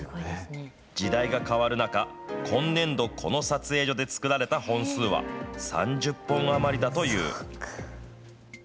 時代が変わる中、今年度、この撮影所で作られた本数は、３０本余りだという。